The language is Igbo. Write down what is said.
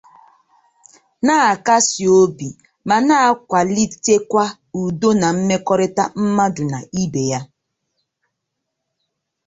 na-akasi obi ma na-akwalitekwa udo na mmekọrịta mmadụ na ibe ya